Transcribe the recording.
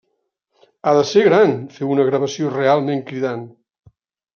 Ha de ser gran fer una gravació realment cridant.